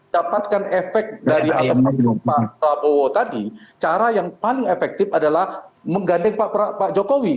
dapatkan efek dari atau pak prabowo tadi cara yang paling efektif adalah menggandeng pak jokowi